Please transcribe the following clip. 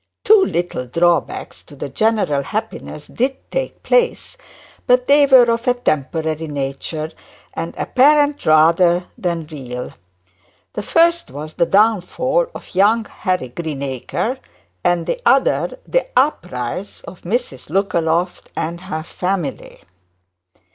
Two little drawbacks to the general happiness did take place, but they were of a temporary nature, and apparent rather than real. The first was the downfall of young Harry Greenacre, and the other was the uprise of Mrs Lookaloft and her family.